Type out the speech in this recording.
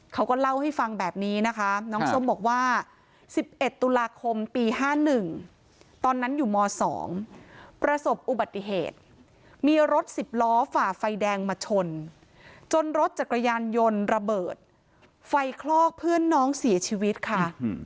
เขาก็เล่าให้ฟังแบบนี้นะคะน้องส้มบอกว่า๑๑ตุลาคมปี๕๑ตอนนั้นอยู่ม๒ประสบอุบัติเหตุมีรถ๑๐ล้อฝ่าไฟแดงมาชนจนรถจักรยานยนต์ระเบิดไฟคลอกเพื่อนน้องเสียชีวิตค่ะ